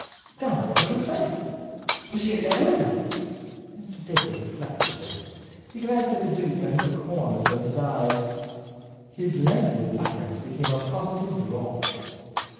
"Down Waterloo Place." "Was she alone?" Mr. Dacre reflected. He glanced at the duke out of the corners of his eyes. His languid utterance became a positive drawl.